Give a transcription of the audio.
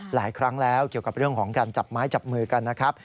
หลายครั้งแล้วเกี่ยวกับเรื่องของการจับไม้จับมือกันนะครับ